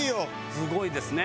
すごいですね。